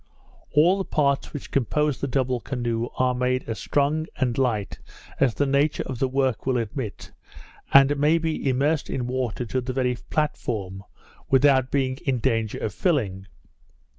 All the parts which compose the double canoe, are made as strong and light as the nature of the work will admit, and may be immerged in water to the very platform, without being in danger of filling.